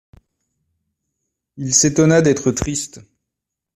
Il s'étonna d'être triste.